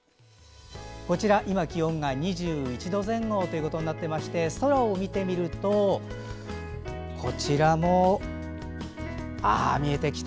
こちらは今、気温が２１度前後となっていまして空を見てみるとこちらも見えてきた。